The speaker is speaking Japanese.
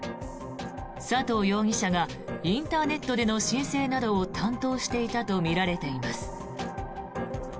佐藤容疑者がインターネットでの申請などを担当していたとみられています。